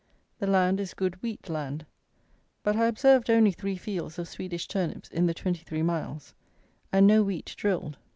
The land is good wheat land; but I observed only three fields of Swedish turnips in the 23 miles, and no wheat drilled.